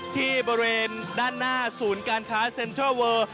ที่บริเวณด้านหน้าศูนย์การค้าเซ็นทรัลเวอร์